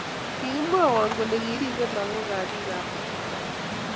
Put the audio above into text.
Kigimwowon kole kiribe lagook kab bikap kokwet